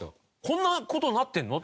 こんな事になってるの？